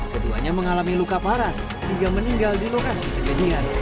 keduanya mengalami luka parah hingga meninggal di lokasi kejadian